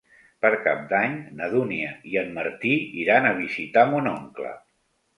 Per Cap d'Any na Dúnia i en Martí iran a visitar mon oncle.